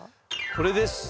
これです。